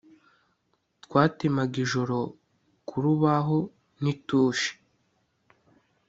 twatemaga ijoro ku rubaho n’itushi